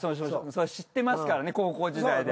知ってますからね高校時代で。